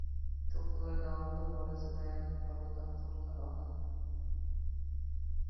To‘qqiz oy davomida bolasidan ayrilib qolishdan qo‘rqqan ona